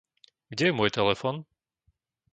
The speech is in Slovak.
Kde je môj telefón?